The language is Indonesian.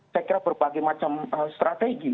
saya kira berbagai macam strategi